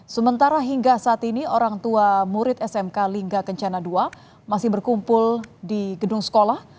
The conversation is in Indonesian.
sementara hingga saat ini orang tua murid smk lingga kencana ii masih berkumpul di gedung sekolah